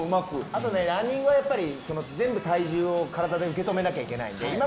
あとランニングは全体重を体で受け止めなきゃいけないので。